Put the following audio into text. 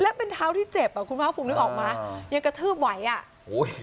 แล้วเป็นเท้าที่เจ็บอ่ะคุณภาคภูมินึกออกมายังกระทืบไหวอ่ะโอ้ย